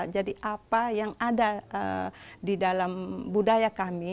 jadi apa yang ada di dalam budaya kami